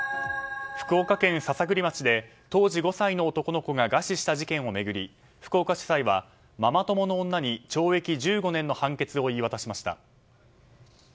福岡県篠栗町で当時５歳の男の子が餓死した事件を巡り福岡地裁はママ友の女に懲役１５年の判決を言い渡しました。